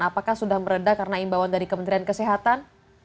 apakah sudah meredah karena imbauan dari kementerian kesehatan